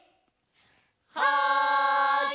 はい！